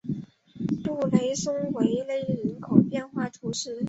布雷松维勒人口变化图示